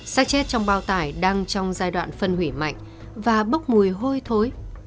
sát chết trong bao tải đang trong giai đoạn phân hủy mạnh và bốc mùi hôi thối